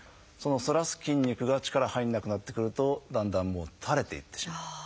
その反らす筋肉が力入らなくなってくるとだんだん垂れていってしまう。